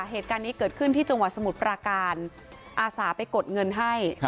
เหตุการณ์นี้เกิดขึ้นที่จังหวัดสมุทรปราการอาสาไปกดเงินให้